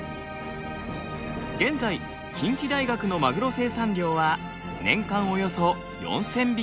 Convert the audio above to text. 現在近畿大学のマグロ生産量は年間およそ４，０００匹。